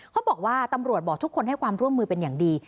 เขาบอกว่าตำรวจบอกทุกคนให้ความร่วมมือเป็นอย่างดี